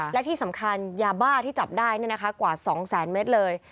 และที่สำคัญยาบ้าที่จับได้กว่า๒แสนเมตรเลย